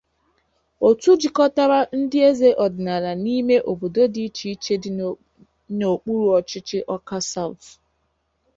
otu jikọtara ndị eze ọdịnala n'ime obodo dị icheiche dị n'okpuruọchịchị 'Awka South'.